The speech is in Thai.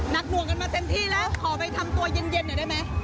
หน่วงกันมาเต็มที่แล้วขอไปทำตัวเย็นหน่อยได้ไหม